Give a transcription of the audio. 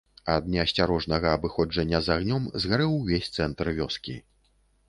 Ад неасцярожнага абыходжання з агнём згарэў увесь цэнтр вёскі.